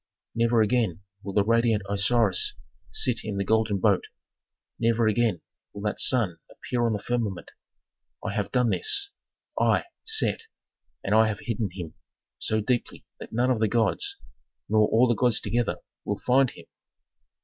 Never again will the radiant Osiris sit in the golden boat, never again will that sun appear on the firmament. I have done this, I, Set, and I have hidden him so deeply that none of the gods, nor all the gods together will find him."